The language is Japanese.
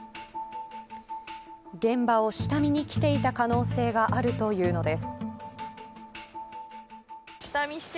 現場を下見に来ていた可能性があるというのです。